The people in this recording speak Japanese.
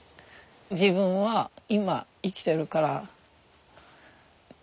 自分は今生きてるからそれだけ。